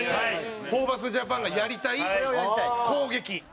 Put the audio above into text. ホーバスＪＡＰＡＮがやりたい攻撃。